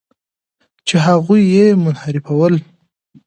چې هغوی یې منحرفول.